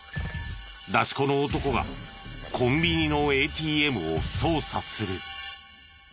出し子の男がコンビニのＡＴＭを操作する。